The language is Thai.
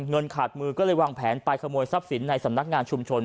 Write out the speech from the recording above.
เงินขาดมือก็เลยวางแผนไปขโมยทรัพย์สินในสำนักงานชุมชน